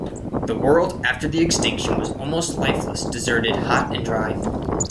The world after the extinction was almost lifeless, deserted, hot, and dry.